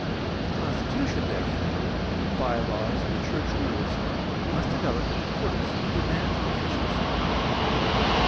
The consti tution, therefore, or the by laws, or the church rules, must develop in accordance with the demands of efficiency.